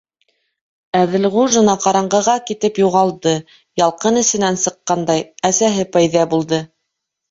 - Әҙелғужина ҡараңғыға китеп юғалды, ялҡын эсенән сыҡҡандай, әсәһе пәйҙә булды.